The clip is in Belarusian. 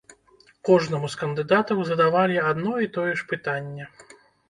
Кожнаму з кандыдатаў задавалі адно і тое ж пытанне.